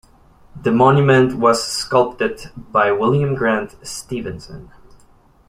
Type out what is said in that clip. The monument was sculpted by William Grant Stevenson.